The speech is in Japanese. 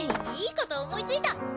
いいこと思いついた！